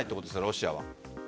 ロシアは。